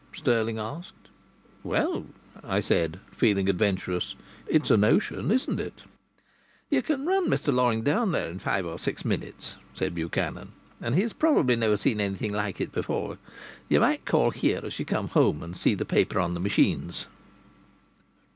Stirling asked. "Well," I said, feeling adventurous, "it's a notion, isn't it?" "You can run Mr Loring down there in five or six minutes," said Buchanan. "And he's probably never seen anything like it before. You might call here as you come home and see the paper on the machines."